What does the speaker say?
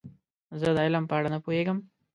زه د علم په اړه نه پوهیږم.